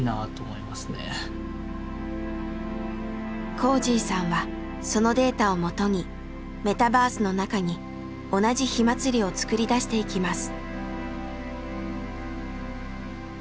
こーじぃさんはそのデータをもとにメタバースの中に同じ火まつりを作り出していきます。